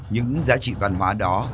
những giá trị văn hóa đó